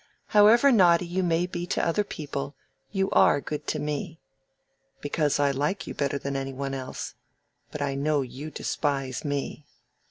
"However naughty you may be to other people, you are good to me." "Because I like you better than any one else. But I know you despise me."